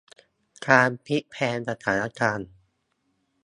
การพลิกแพลงสถานการณ์